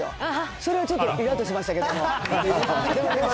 それはちょっといらっとしましたけどね。